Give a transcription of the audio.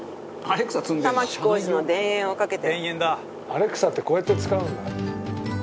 長嶋：アレクサってこうやって使うんだ。